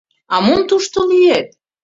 А мом тушто лӱет!